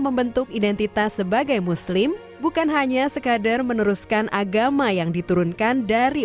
membentuk identitas sebagai muslim bukan hanya sekadar meneruskan agama yang diturunkan dari